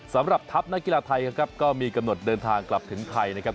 สำหรับทัพนักกีฬาไทยนะครับก็มีกำหนดเดินทางกลับถึงไทยนะครับ